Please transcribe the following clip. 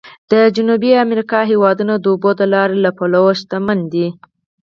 د جنوبي امریکا هېوادونه د اوبو د لارو له پلوه شمن دي.